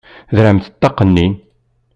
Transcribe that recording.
Derrɛemt ṭṭaq-nni!